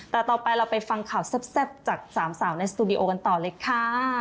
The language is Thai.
แต่ต่อไปเราไปฟังข่าวแซ่บจากสามสาวในสตูดิโอกันต่อเลยค่ะ